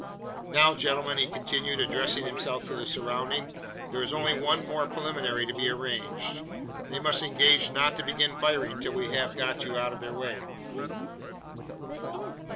Now, gentlemen!" he continued, addressing himself to the surrounding, "there is only one more preliminary to be arranged. They must engage not to begin firing till we have got out of their way?"